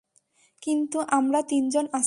কিন্তু আমরা তিনজন আছি।